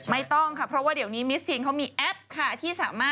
ไม่ต้องครับเพราะว่าเดี๋ยวนี้มิสทีนเขามีแอปค่ะ